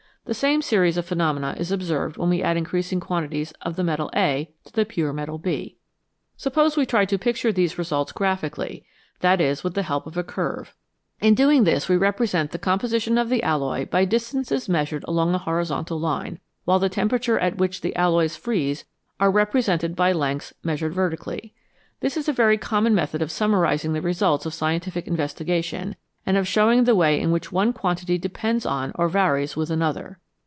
The same series of phenomena is observed when we add increasing quantities of the metal A to the pure metal B. Suppose we try to picture these results graphically, that is, with the help of a curve. In doing this we represent the composition of the alloy by distances measured along a horizontal line, while the tempera 78 TWO METALS BETTER THAN ONE tures at which the alloys freeze are represented by lengths measured vertically. This is a very common method of summarising the results of scientific investi gation and of showing the way in which one quantity depends on or varies with another.